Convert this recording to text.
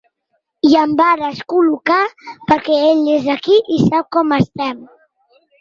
I em va descol·locar perquè ell és d’aquí i sap com estem.